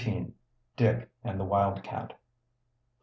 DICK AND THE WILDCAT.